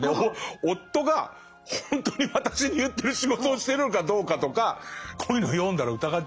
夫がほんとに私に言ってる仕事をしてるのかどうかとかこういうのを読んだら疑っちゃうから。